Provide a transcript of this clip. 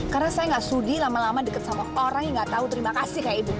karena saya gak sudi lama lama deket sama orang yang gak tau terima kasih kayak ibu